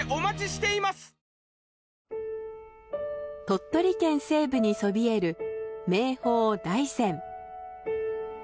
鳥取県西部にそびえる名峰大山。